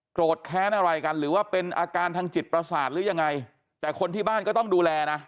แค้นอะไรกันหรือว่าเป็นอาการทางจิตประสาทหรือยังไงแต่คนที่บ้านก็ต้องดูแลนะ